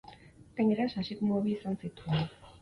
Gainera sasikume bi izan zituen.